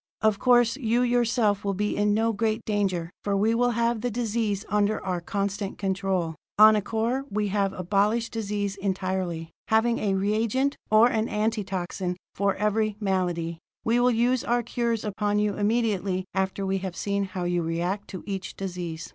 "Of course, you yourself will be in no great danger, for we will have the diseases under our constant control. On Acor we have abolished disease entirely, having a reagent or an antitoxin for every malady; we will use our cures upon you immediately after we have seen how you react to each disease.